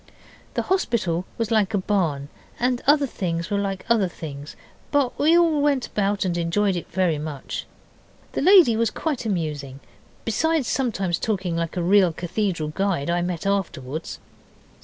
The hospital was like a barn, and other things were like other things, but we went all about and enjoyed it very much. The lady was quite amusing, besides sometimes talking like a real cathedral guide I met afterwards.